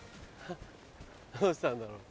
どうしたんだろう？